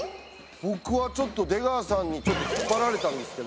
ボクは出川さんにちょっと引っ張られたんですけど。